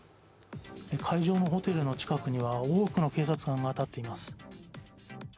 会場のホテルの近くには多くの警察官が立っています。